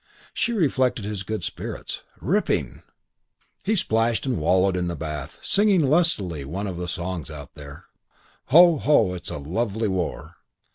She reflected his good spirits. Ripping! He splashed and wallowed in the bath, singing lustily one of the songs out there: "Ho, ho, ho, it's a lovely war!"